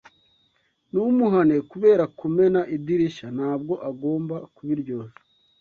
Ntumuhane kubera kumena idirishya. Ntabwo agomba kubiryozwa.